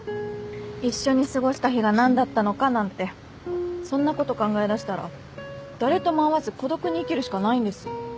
一緒に過ごした日が何だったのかなんてそんなこと考えだしたら誰とも会わず孤独に生きるしかないんです。